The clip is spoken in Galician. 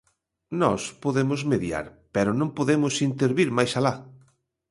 Nós podemos mediar, pero non podemos intervir máis alá.